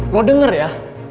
lo denger ya